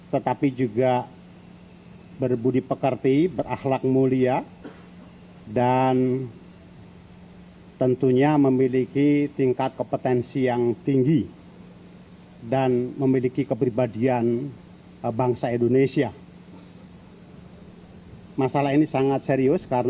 terima kasih pak